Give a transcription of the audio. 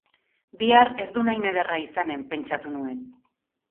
Bihar ez dun hain ederra izanen, pentsatu zuen.